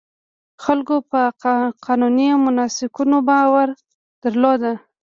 خلکو په قانوني مناسکونو باور درلود.